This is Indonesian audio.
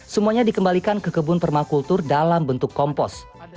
semuanya dikembalikan ke kebun permakultur dalam bentuk kompos